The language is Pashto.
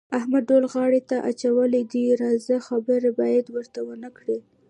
احمد ډول غاړې ته اچولی دی د راز خبره باید ورته ونه کړې.